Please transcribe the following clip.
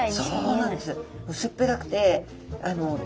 そうなんです。